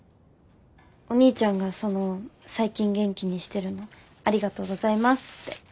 お兄ちゃんがその最近元気にしてるのありがとうございますって。